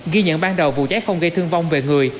ghi nhận ban đầu vụ cháy không gây thương vong về người